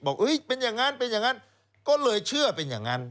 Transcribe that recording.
เป็นอย่างนั้นเป็นอย่างนั้นก็เลยเชื่อเป็นอย่างนั้น